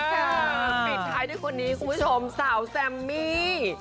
ปิดท้ายด้วยคนนี้คุณผู้ชมสาวแซมมี่